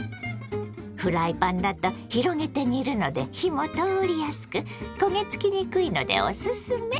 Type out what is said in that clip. フライパンだと広げて煮るので火も通りやすく焦げ付きにくいのでオススメ。